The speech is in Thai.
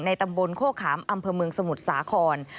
ตำบลโคขามอำเภอเมืองสมุทรสาคร